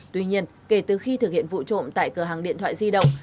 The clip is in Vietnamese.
tuy nhiên kể từ khi thực hiện vụ trộm tại cửa hàng điện thoại di động